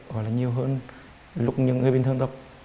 hoặc là nhiều hơn lúc những người bình thường tập